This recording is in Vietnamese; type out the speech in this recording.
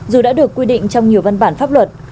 dù đã được quy định trong nhiều văn bản pháp luật